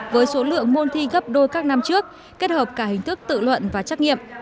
với số lượng môn thi gấp đôi các năm trước kết hợp cả hình thức tự luận và trách nhiệm